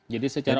jadi secara umum